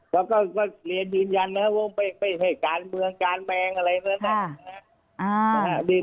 เขาก็เรียนยืนยันนะครับไม่ให้การเมืองการแมงอะไรแบบนั้นนะครับ